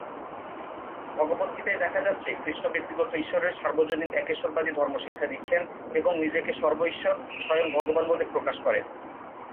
ভগবদ্গীতায় দেখা যাচ্ছে, কৃষ্ণ ব্যক্তিগত ঈশ্বরের সার্বজনীন একেশ্বরবাদী ধর্ম শিক্ষা দিচ্ছেন এবং নিজেকে সর্ব-ঈশ্বর, স্বয়ং ভগবান বলে প্রকাশ করেন।